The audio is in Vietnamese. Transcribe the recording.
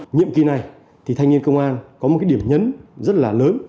nhiệm kỳ này thì thanh niên công an có một cái điểm nhấn rất là lớn